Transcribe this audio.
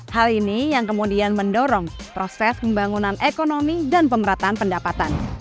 hal ini yang kemudian mendorong proses pembangunan ekonomi dan pemerataan pendapatan